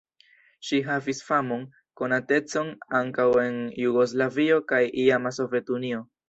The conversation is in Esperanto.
Ŝi havis famon, konatecon ankaŭ en Jugoslavio kaj iama Sovetunio.